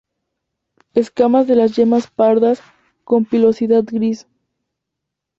Escamas de las yemas pardas, con pilosidad gris.